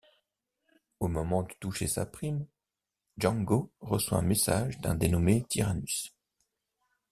Au moment de toucher sa prime, Jango reçoit un message d'un dénommé Tyranus.